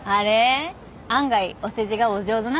案外お世辞がお上手なんですね。